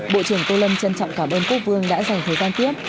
bộ trưởng tô lâm trân trọng cảm ơn quốc vương đã dành thời gian tiếp